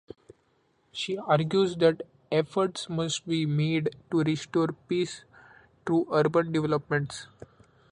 She argues that efforts must be made to restore peace through urban developments.